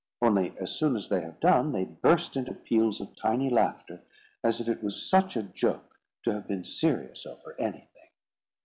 Only, as soon as they have done, they burst into peals of tiny laughter, as if it was such a joke to have been serious over anything.